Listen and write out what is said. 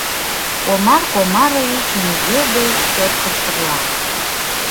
— Комар Комарович нигӧ деч чот кычкырла.